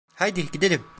Haydi, gidelim.